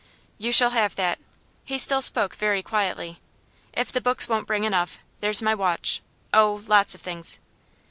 'You shall have that.' He still spoke very quietly. 'If the books won't bring enough, there's my watch oh, lots of things.